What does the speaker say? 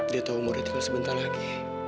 dia tahu umurnya tinggal sebentar lagi